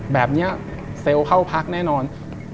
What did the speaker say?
แบบนี้เซลล์เข้าพักแน่นอน